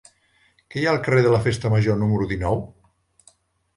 Què hi ha al carrer de la Festa Major número dinou?